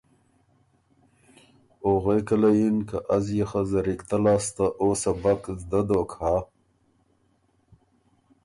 او غوېکه له یِن که از يې خه زرِکتۀ لاسته او سبق زدۀ دوک هۀ۔